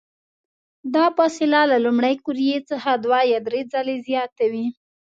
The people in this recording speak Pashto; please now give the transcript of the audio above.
دا فاصله له لومړۍ قوریې څخه دوه یا درې ځلې زیاته وي.